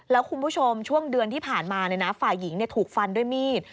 แล้วคุณผู้ชมช่วงเดือนที่ผ่านมาฝ่ายหญิงถูกฟันด้วยมีด